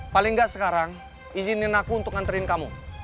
paling nggak sekarang izinin aku untuk nganterin kamu